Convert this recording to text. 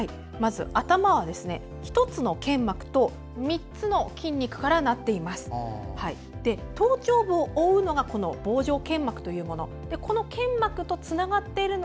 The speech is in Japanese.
頭は１つの腱膜と３つの筋肉からなっています。